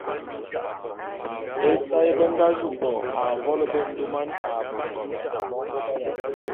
Ésae…be nga zu bo a mvolo bendôman a bengon.